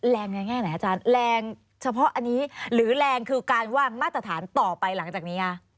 แรงในแง่ไหนอาจารย์แรงเฉพาะอันนี้หรือแรงคือการว่างมาตรฐานต่อไปหลังจากนี้คะ